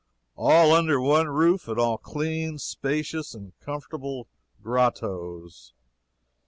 All under one roof, and all clean, spacious, comfortable "grottoes."